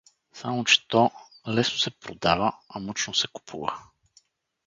— Само че, то… лесно се продава, а мъчно се купува.